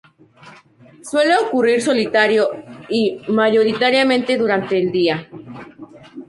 Suele ocurrir solitario y, mayoritariamente, durante el día.